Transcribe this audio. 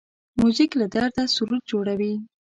موزیک له درده سرود جوړوي.